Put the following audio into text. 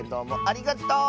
ありがとう！